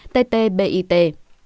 tê tê bê y tê